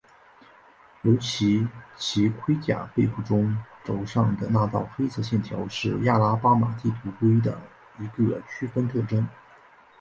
尤其其盔甲背部中轴上的那道黑色线条是亚拉巴马地图龟的一个区分特征。